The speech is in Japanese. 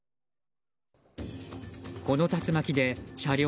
この竜巻で車両